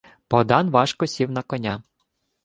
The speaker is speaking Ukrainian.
Богдан важко сів на коня.